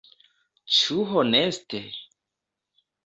Ĉu honeste?